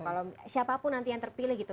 kalau siapapun nanti yang terpilih gitu